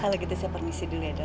kalau gitu saya permisi dulu ya dok